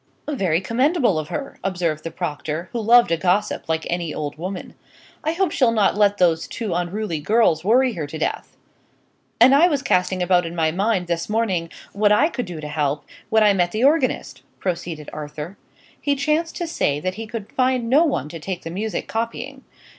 "Very commendable of her," observed the proctor, who loved a gossip like any old woman. "I hope she'll not let those two unruly girls worry her to death." "And I was casting about in my mind, this morning, what I could do to help, when I met the organist," proceeded Arthur. "He chanced to say that he could find no one to take the music copying.